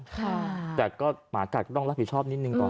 แต่ก็หมากัดก็ต้องรับผิดชอบนิดนึงก่อน